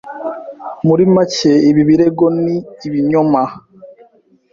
Muri make, ibi birego ni ibinyoma.